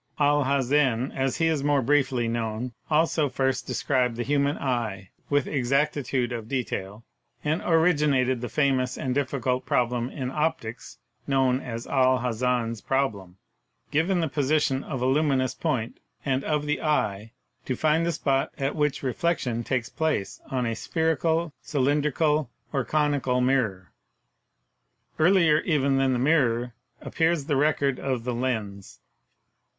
Al Hazen (as he is more briefly known) also first described the human eye with exactitude of de tail, and originated the famous and difficult problem in optics known as Al Hazen's problem : "Given the position of a luminous point and of the eye, to find the spot at which reflection takes place on a spherical, cylindrical or conical mirror." Earlier even than the mirror appears the record of the lens.